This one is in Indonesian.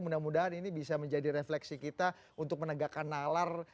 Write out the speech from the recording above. mudah mudahan ini bisa menjadi refleksi kita untuk menegakkan nalar